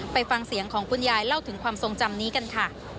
ไปฟังเสียงของคุณยายเล่าถึงความทรงจำนี้กันค่ะ